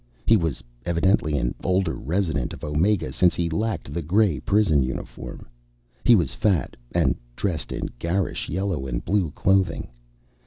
He was evidently an older resident of Omega since he lacked the gray prison uniform. He was fat, and dressed in garish yellow and blue clothing.